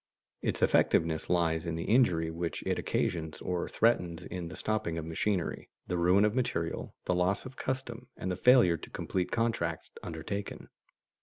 Its effectiveness lies in the injury which it occasions or threatens in the stopping of machinery, the ruin of material, the loss of custom, and the failure to complete contracts undertaken.